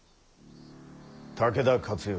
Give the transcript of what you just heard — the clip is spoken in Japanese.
武田勝頼